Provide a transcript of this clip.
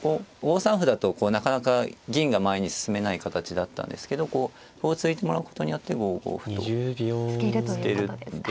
５三歩だとこうなかなか銀が前に進めない形だったんですけどこう歩を突いてもらうことによって５五歩と突けるんで。